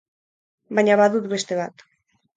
Baina badut beste bat.